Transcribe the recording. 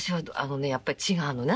やっぱり違うのね